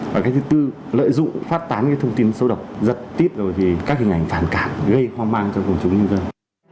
và thứ tư lợi dụng phát tán thông tin số độc giật tiếp rồi thì các hình ảnh phản cảm gây hoang mang cho cộng chúng nhân dân